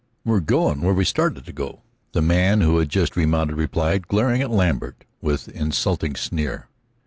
"We're goin' where we started to go," the man who had just remounted replied, glaring at Lambert with insulting sneer.